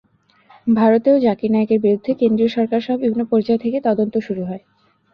ভারতেও জাকির নায়েকের বিরুদ্ধে কেন্দ্রীয় সরকারসহ বিভিন্ন পর্যায় থেকে তদন্ত শুরু হয়।